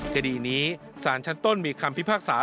คดีนี้สารชั้นต้นมีคำพิพากษา